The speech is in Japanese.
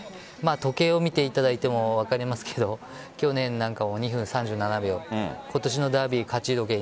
時計を見ていただいても分かりますけど去年なんかも２分３７秒今年のダービー勝ち。